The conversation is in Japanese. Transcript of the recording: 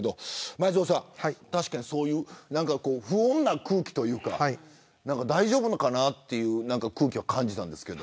前園さん、確かにそういう不穏な空気というか大丈夫なのかなという空気を感じたんですけど。